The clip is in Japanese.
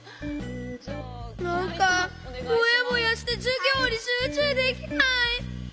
こころのこえなんかもやもやしてじゅぎょうにしゅうちゅうできない！